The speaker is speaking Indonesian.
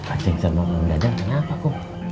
acing serba mau minum dadang tanya apa kum